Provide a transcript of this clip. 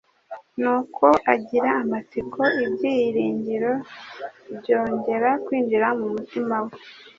Nuko agira amatsiko, ibyiringiro byongera kwinjira mu mutima we.